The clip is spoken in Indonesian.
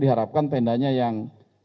diharapkan tendanya yang